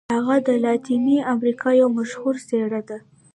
هغه د لاتیني امریکا یوه مشهوره څیره ده.